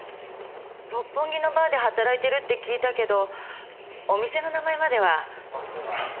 六本木のバーで働いてるって聞いたけどお店の名前までは。